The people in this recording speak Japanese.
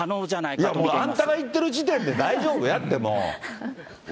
いや、もうあんたが行ってる時点で大丈夫やって、もう！